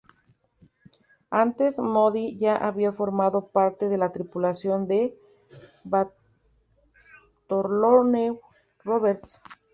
Antes, Moody ya había formado parte de la tripulación de Bartholomew Roberts.